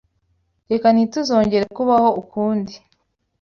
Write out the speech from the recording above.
Reka ntituzongere kubaho ukundi.